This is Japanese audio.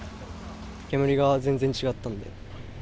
煙が全然違ったんで。